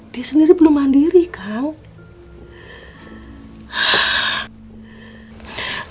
dia sendiri belum mandiri kang